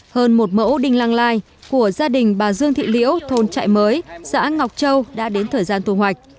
hơn một mẫu đinh lăng lai của gia đình bà dương thị liễu thôn trại mới xã ngọc châu đã đến thời gian thu hoạch